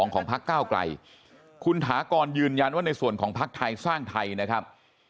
ของพักเก้าไกลคุณถากรยืนยันว่าในส่วนของภักดิ์ไทยสร้างไทยนะครับ